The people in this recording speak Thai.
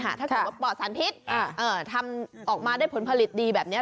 ถ้าต้องเปอดสังพิษออกมาได้ผลผลิตดีแบบนี้